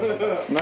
何？